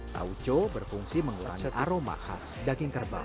tauco berfungsi mengeluarkan aroma khas daging kerbau